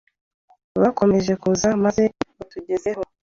Bakomeje kuza maze batugezeho